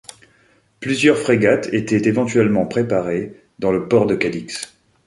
Plusieurs frégates étaient éventuellement préparées dans le port de Cadix.